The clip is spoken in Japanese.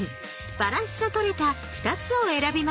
バランスの取れた２つを選びました。